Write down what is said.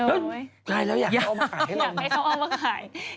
เอ้ยอะไรแล้วอยากเอามาขายล่ะ